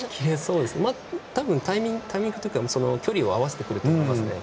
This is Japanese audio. たぶんタイミングというか距離を合わせてくると思います。